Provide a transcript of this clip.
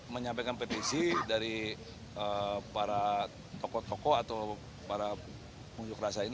menyampaikan petisi dari para tokoh tokoh atau para pengunjuk rasa ini